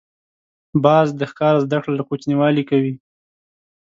باز د ښکار زده کړه له کوچنیوالي کوي